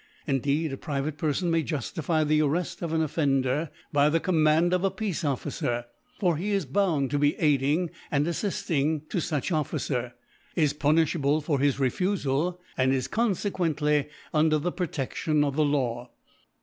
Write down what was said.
Indeed a private Perfon may juftify the Arreft of an Offender by the Command of a Peace Officer ; for he is bound to be Hiding and affifting to fuch Officer, is pu nifhabte for his Refufal, and is confequently under the Proteftion of the Law ||.